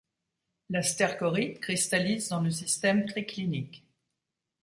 La stercorite cristallise dans le système triclinique.